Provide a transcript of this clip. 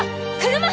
車！